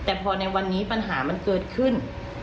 แต่พอในวันนี้ปัญหามันเกิดขึ้น